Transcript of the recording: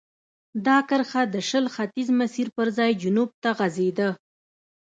دا کرښه د شل ختیځ مسیر پر ځای جنوب ته غځېده.